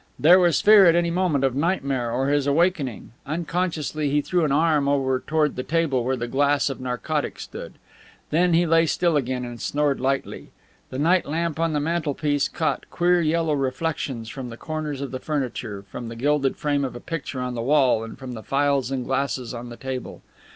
There was fear at any moment of nightmare or his awakening. Unconsciously he threw an arm over toward the table where the glass of narcotic stood. Then he lay still again and snored lightly. The night lamp on the mantelpiece caught queer yellow reflections from the corners of the furniture, from the gilded frame of a picture on the wall and from the phials and glasses on the table.